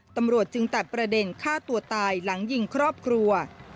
ตำรวจจึงตัดประเด็นฆ่าตัวตายหลังยิงครอบครัว